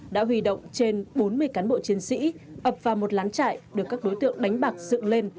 đã huy động trên bốn mươi cán bộ chiến sĩ ập vào một lán trại được các đối tượng đánh bạc dựng lên